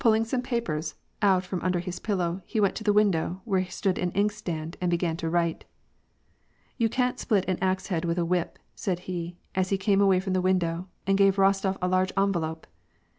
141 ing some papers out from under his pillow, he went to the window, where stood an inkstand, and began to write. ''You can't split an axe head with a whip/' said he, as he came away from the window, and gave Rostof a large envelope.